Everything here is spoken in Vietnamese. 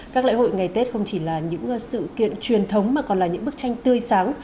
các lễ hội ngày tết không chỉ là những sự kiện truyền thống mà còn là những bức tranh tươi sáng